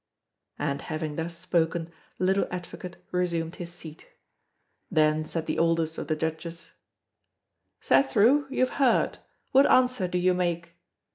And having thus spoken, the little advocate resumed his seat. Then said the oldest of the Judges: "Cethru, you have heard; what answer do you make?"